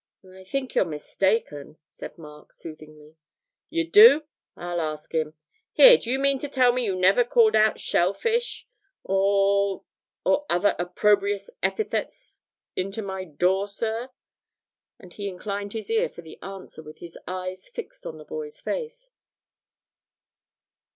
'I think you're mistaken,' said Mark, soothingly. 'You do? I'll ask him. Here, d'ye mean to tell me you never called out "Shellfish" or or other opprobrious epithets into my door, sir?' And he inclined his ear for the answer with his eyes fixed on the boy's face.